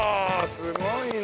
すごいね。